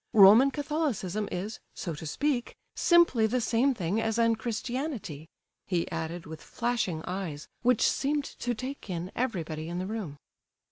Roman Catholicism is, so to speak, simply the same thing as unchristianity," he added with flashing eyes, which seemed to take in everybody in the room.